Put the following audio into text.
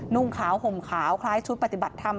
นุ่งขาวห่มขาวคล้ายชุดปฏิบัติธรรม